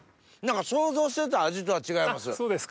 想像してた味とは違います。